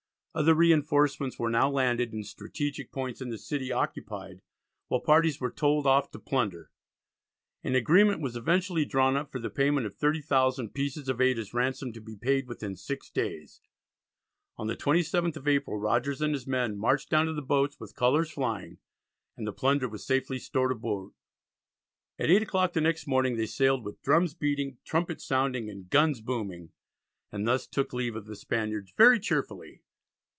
Other reinforcements were now landed and strategic points in the city occupied, while parties were told off to plunder. An agreement was eventually drawn up for the payment of 30,000 pieces of eight as ransom, to be paid within six days. On the 27th of April Rogers and his men marched down to the boats with colours flying, and the plunder was safely stowed aboard. At 8 o'clock the next morning they sailed with "drums beating, trumpets sounding, and guns booming," and thus took leave of the Spaniards "very cheerfully."